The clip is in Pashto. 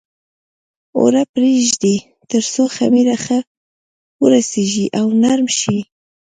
اوړه پرېږدي تر څو خمېره ښه ورسېږي او نرم شي.